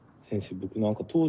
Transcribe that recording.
僕なんか当時。